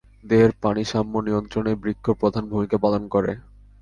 দেহের পানিসাম্য নিয়ন্ত্রণে বৃক্ক প্রধান ভূমিকা পালন করে।